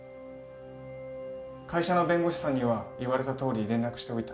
会社の弁護士さんには言われたとおり連絡しておいた。